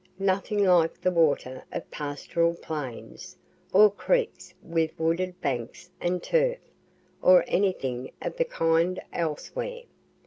Nothing like the water of pastoral plains, or creeks with wooded banks and turf, or anything of the kind elsewhere.